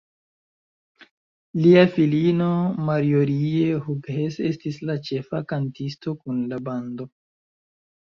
Lia filino, Marjorie Hughes estis la ĉefa kantisto kun la bando.